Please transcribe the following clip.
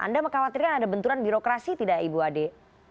anda mengkhawatirkan ada benturan birokrasi tidak ibu ade